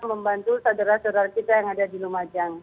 membantu saudara saudara kita yang ada di lumajang